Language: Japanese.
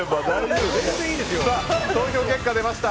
投票結果が出ました。